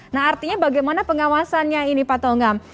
nah artinya bagaimana pengawasannya ini pak tongam